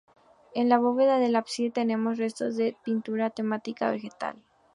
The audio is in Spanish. En la bóveda del ábside tenemos restos de pintura de temática vegetal.